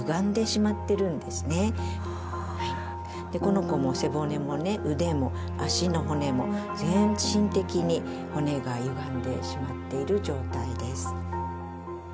この子も背骨もね腕も足の骨も全身的に骨がゆがんでしまっている状態です。